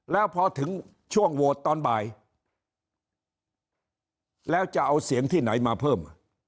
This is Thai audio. แล้วพอถึงช่วงโหวตตอนบ่ายแล้วจะเอาเสียงที่ไหนมาเพิ่ม